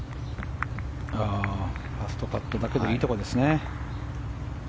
ファーストカットだけどいいところですね。